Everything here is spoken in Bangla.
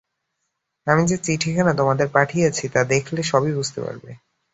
আমি যে চিঠিখানি তোমাদের পাঠিয়েছি, তা দেখলে সবই বুঝতে পারবে।